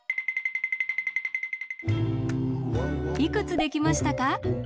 いくつできましたか？